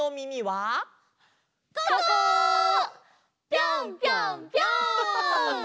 ぴょんぴょんぴょん！